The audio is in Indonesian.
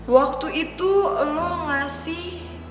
waktu itu lo ngasih